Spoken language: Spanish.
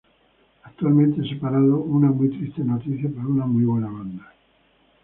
Actualmente separados, una muy triste noticia para una muy buena banda.